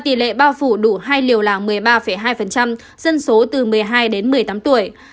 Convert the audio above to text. tỷ lệ bao phủ ít nhất một liều vaccine là sáu mươi hai ba và tỷ lệ bao phủ đủ hai liều là một mươi ba hai dân số từ một mươi hai đến một mươi tám tuổi